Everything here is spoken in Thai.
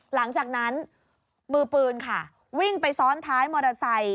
หลังจากนั้นมือปืนค่ะวิ่งไปซ้อนท้ายมอเตอร์ไซค์